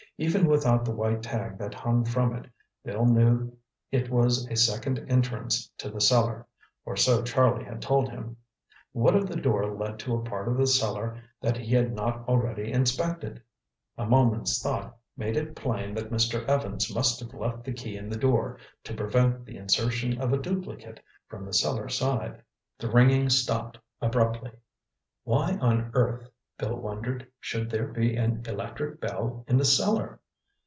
Even without the white tag that hung from it, Bill knew it was a second entrance to the cellar, or so Charlie had told him. What if the door led to a part of the cellar that he had not already inspected? A moment's thought made it plain that Mr. Evans must have left the key in the door to prevent the insertion of a duplicate from the cellar side. The ringing stopped abruptly. Why on earth, Bill wondered, should there be an electric bell in the cellar?